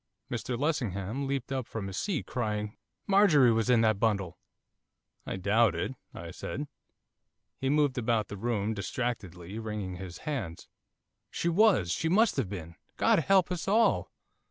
Mr Lessingham leaped up from his seat, crying, 'Marjorie was in that bundle!' 'I doubt it,' I said. He moved about the room distractedly, wringing his hands. 'She was! she must have been! God help us all!